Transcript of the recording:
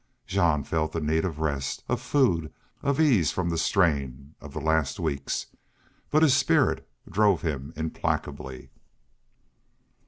Jean felt the need of rest, of food, of ease from the strain of the last weeks. But his spirit drove him implacably.